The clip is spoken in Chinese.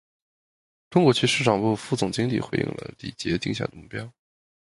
中国区市场部副总经理回应了李杰定下的目标